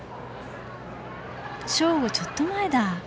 正午ちょっと前だ。